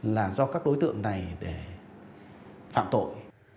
là do các đối tượng này phạm tội